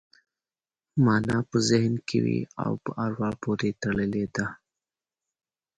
مانا په ذهن کې وي او په اروا پورې تړلې ده